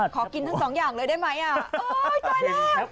ขอกินทั้ง๒อย่างเลยได้ไหมอ่ะโจยออก